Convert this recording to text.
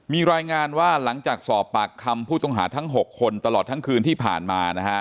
มีรายงานว่าหลังจากสอบปากคำผู้ต้องหาทั้ง๖คนตลอดทั้งคืนที่ผ่านมานะฮะ